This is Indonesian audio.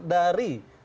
dari pak pak